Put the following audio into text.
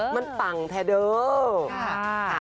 มันปังแท้เด้อ